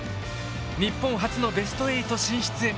日本初のベスト８進出へ。